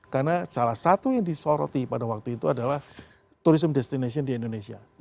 karena salah satu yang disoroti pada waktu itu adalah tourism destination di indonesia